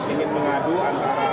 ingin mengadu antara